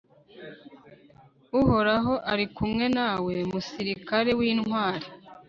uhoraho ari kumwe nawe, musirikare w'intwari